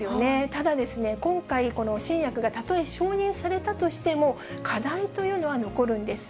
ただですね、今回、新薬がたとえ承認されたとしても、課題というのは残るんです。